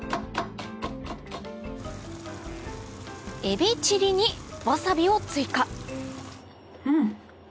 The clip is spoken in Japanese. エビチリにわさびを追加うん！